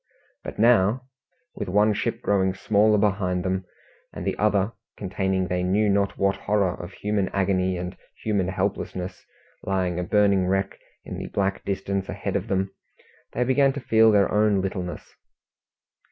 But now with one ship growing smaller behind them, and the other, containing they knew not what horror of human agony and human helplessness, lying a burning wreck in the black distance ahead of them they began to feel their own littleness.